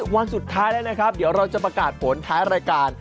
วันสุดท้ายแล้วนะครับเดี๋ยวเราจะประกาศผลท้ายรายการ